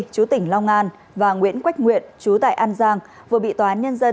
chú tỉnh long an và nguyễn quách nguyện chú tại an giang vừa bị tòa án nhân dân